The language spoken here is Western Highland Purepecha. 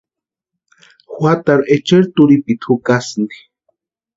Juatarhu echeri turhipiti jukasïnti.